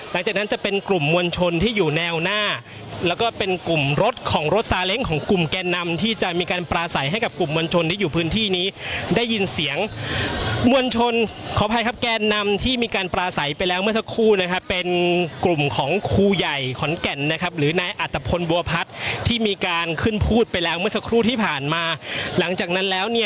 แล้วก็เป็นกลุ่มรถของรถซาเล้งของกลุ่มแกนนำที่จะมีการปราศัยให้กับกลุ่มมวลชนที่อยู่พื้นที่นี้ได้ยินเสียงมวลชนขอบภัยครับแกนนำที่มีการปราศัยไปแล้วเมื่อสักครู่นะครับเป็นกลุ่มของครูใหญ่ขอนแก่นนะครับหรือนายอัตพพลบัวพัดที่มีการขึ้นพูดไปแล้วเมื่อสักครู่ที่ผ่านมาหลังจากนั้นแล้